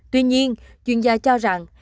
tuy nhiên chuyên gia cho rằng